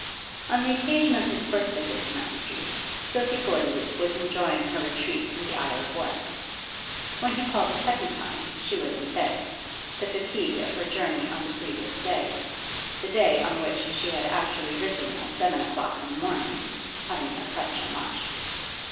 On the occasion of his first visit to Mount Street, Sophie Gordeloup was enjoying her retreat in the Isle of Wight. When he called the second time she was in bed, the fatigue of her journey on the previous day, the day on which she had actually risen at seven o'clock in the morning, having oppressed her much.